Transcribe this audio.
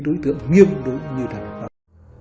đối tượng nghiêm đối như thế này